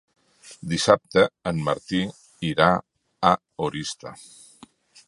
Dissabte en Martí irà a Oristà.